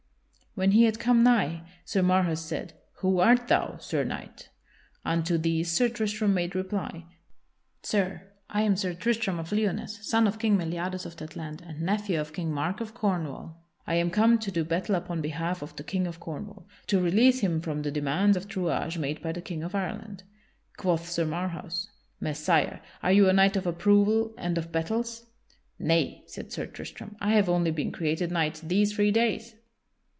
When he had come nigh, Sir Marhaus said: "Who art thou, Sir Knight?" Unto these Sir Tristram made reply: "Sir, I am Sir Tristram of Lyonesse, son of King Meliadus of that land, and nephew of King Mark of Cornwall. I am come to do battle upon behalf of the King of Cornwall, to release him from the demands of truage made by the King of Ireland." Quoth Sir Marhaus: "Messire, are you a knight of approval and of battles?" "Nay," said Sir Tristram, "I have only been created knight these three days."